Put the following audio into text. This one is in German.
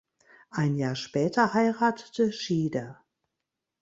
Ein Jahr später heiratete Schieder.